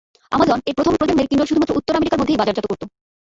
Amazon এর প্রথম প্রজন্মের কিন্ডল শুধুমাত্র উত্তর আমেরিকার মধ্যেই বাজারজাত করতো।